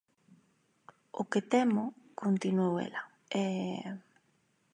_O que temo _continuou ela_ é...